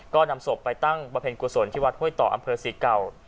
ก็นำศพไปตั้งบำเพ็ญกุศลที่วัดห้วยต่ออำเภอศรีเก่า